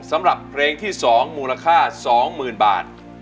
สำหรับเพลงที่๒มูลค่า๒๐๐๐บาท